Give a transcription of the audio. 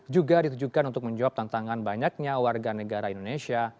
juga ditujukan untuk menjawab tantangan banyaknya warga negara indonesia